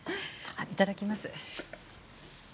いただきます。